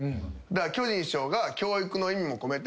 巨人師匠が教育の意味も込めて。